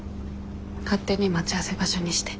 勝手に待ち合わせ場所にして。